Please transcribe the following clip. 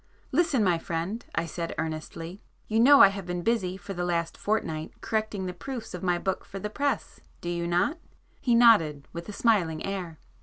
"Listen, my friend," I said earnestly—"You know I have been busy for the last fortnight correcting the proofs of my book for the press,—do you not?" He nodded with a smiling air.